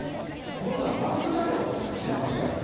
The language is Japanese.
この人はライフジャケットを確か着てましたからね。